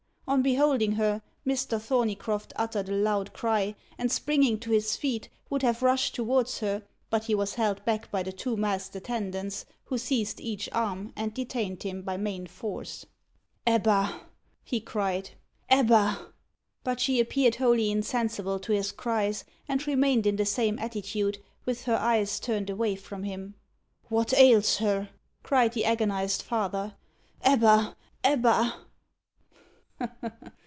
On beholding her, Mr. Thorneycroft uttered a loud cry, and, springing to his feet, would have rushed towards her, but he was held back by the two masked attendants, who seized each arm, and detained him by main force. "Ebba!" he cried "Ebba!" But she appeared wholly insensible to his cries, and remained in the same attitude, with her eyes turned away from him. "What ails her?" cried the agonised father. "Ebba! Ebba!"